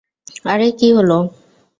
আরে কী হলো?